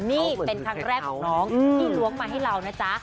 นี่เป็นครั้งแรกของน้องที่ล้วงมาให้เรานะจ๊ะ